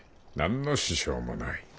何の支障もない。